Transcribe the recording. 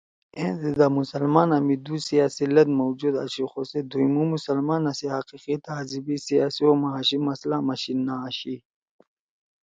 أں دے دا مسلمانا می دُو سیاسی لت موجود آشی خو سے دُھوئمُو مسلمانا سی حقیقی تہذیی، سیاسی او معاشی مسئلآ ما شیِد نہ آشی